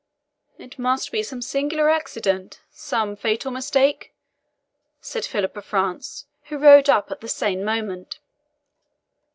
"It must be some singular accident some fatal mistake," said Philip of France, who rode up at the same moment.